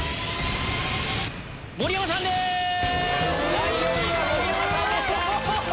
第４位は盛山さんでした！